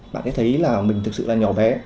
bạn ấy thấy là mình thực sự là nhỏ bé